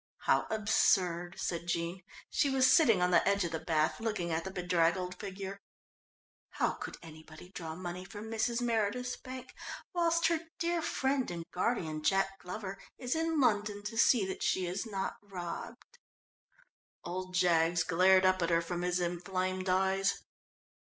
"How absurd," said Jean. She was sitting on the edge of the bath looking at the bedraggled figure. "How could anybody draw money from Mrs. Meredith's bank whilst her dear friend and guardian, Jack Glover, is in London to see that she is not robbed." "Old Jaggs" glared up at her from his inflamed eyes.